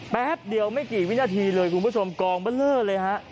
แป๊บเดียวไม่กี่วินาทีเลยคุณผู้ชมกองเบอร์เลอร์เลยฮะ